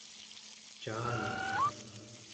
caanik